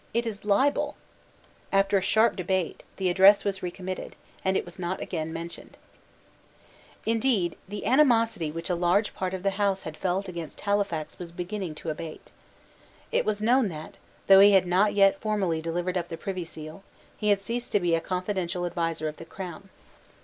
It is a libel." After a sharp debate, the Address was recommitted, and was not again mentioned, Indeed, the animosity which a large part of the House had felt against Halifax was beginning to abate. It was known that, though he had not yet formally delivered up the Privy Seal, he had ceased to be a confidential adviser of the Crown.